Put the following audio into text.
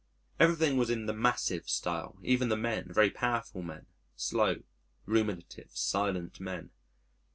Everything was in the massive style even the men very powerful men, slow, ruminative, silent men.